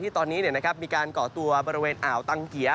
ตอนนี้มีการก่อตัวบริเวณอ่าวตังเกีย